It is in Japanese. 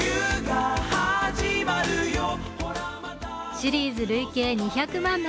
シリーズ累計２００万枚